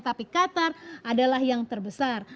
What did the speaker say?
tapi qatar adalah yang terbesar